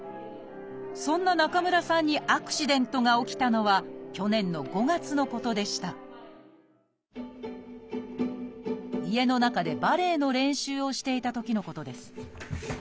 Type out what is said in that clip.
そんな中村さんにアクシデントが起きたのは去年の５月のことでした家の中でバレエの練習をしていたときのことです。